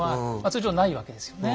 通常はないわけですよね。